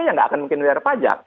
yang tidak akan mungkin bayar pajak